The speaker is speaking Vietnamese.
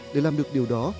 để làm được điều đó